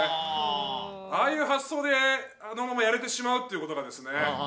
ああいう発想であのままやれてしまうっていうことがですね。